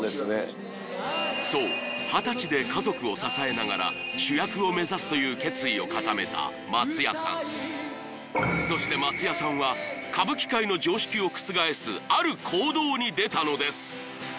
そう２０歳で家族を支えながら主役を目指すという決意を固めた松也さんそして松也さんは歌舞伎界の常識を覆すある行動に出たのです